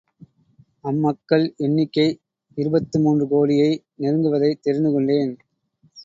அம்மக்கள் எண்ணிக்கை இருபத்து மூன்று கோடியை நெருங்குவதைத் தெரிந்து கொண்டேன்.